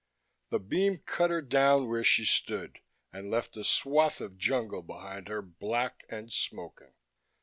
The beam cut her down where she stood and left a swathe of jungle behind her black and smoking.